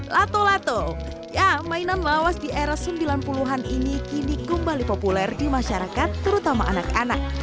lato lato ya mainan lawas di era sembilan puluh an ini kini kembali populer di masyarakat terutama anak anak